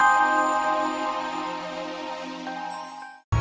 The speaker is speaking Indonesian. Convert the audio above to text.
kalau mungkin sebentar